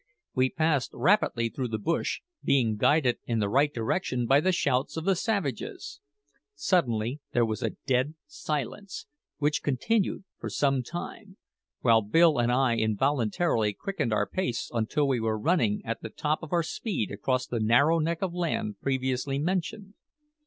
We passed rapidly through the bush, being guided in the right direction by the shouts of the savages. Suddenly there was a dead silence, which continued for some time, while Bill and I involuntarily quickened our pace until we were running at the top of our speed across the narrow neck of land previously mentioned.